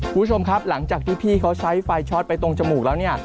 คุณผู้ชมครับหลังจากที่พี่เขาใช้ไฟช็อตไปตรงจมูกแล้วเนี่ย